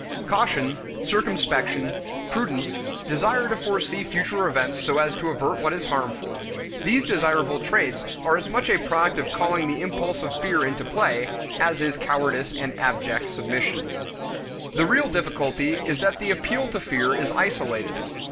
Caution, circumspection, prudence, desire to foresee future events so as to avert what is harmful, these desirable traits are as much a product of calling the impulse of fear into play as is cowardice and abject submission. The real difficulty is that the appeal to fear is isolated.